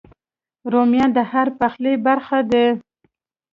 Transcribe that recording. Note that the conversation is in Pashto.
رومیان د هر پخلي برخه دي